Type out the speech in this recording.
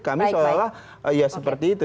kami seolah olah ya seperti itu